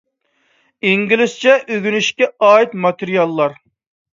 ئىنگلىزچە ئۆگىنىشكە ئائىت ماتېرىياللار